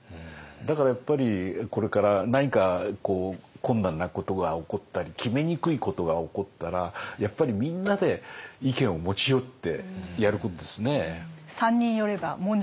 だからやっぱりこれから何か困難なことが起こったり決めにくいことが起こったらやっぱりみんなで意見を持ち寄ってやることですね。